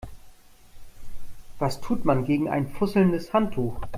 Was tut man gegen ein fusselndes Handtuch?